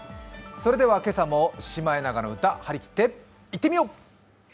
それでは今朝も「シマエナガの歌」はりきっていってみよう。